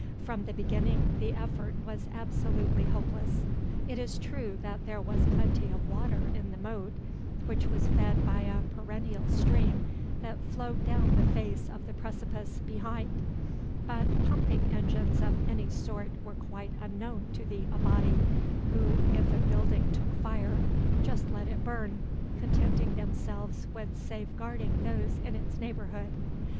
From the beginning the effort was absolutely hopeless. It is true that there was plenty of water in the moat, which was fed by a perennial stream that flowed down the face of the precipice behind; but pumping engines of any sort were quite unknown to the Abati, who, if a building took fire, just let it burn, contenting themselves with safeguarding those in its neighbourhood.